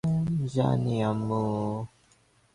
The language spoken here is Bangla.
জানি, আম্মু।